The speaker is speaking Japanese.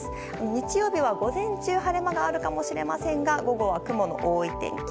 日曜日は午前中晴れ間があるかもしれませんが午後は雲の多い天気。